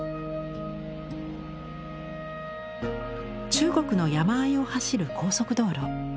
中国の山あいを走る高速道路。